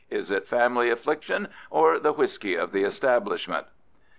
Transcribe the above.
Is it family affliction or the whisky of the establishment?"